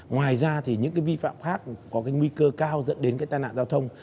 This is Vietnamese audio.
ngoài ra những vi phạm khác có nguy cơ cao dẫn đến tai nạn giao thông